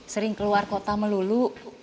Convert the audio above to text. sering keluar kota melulu